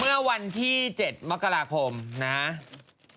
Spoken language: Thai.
เมื่อวันที่๗มกราคมนะครับ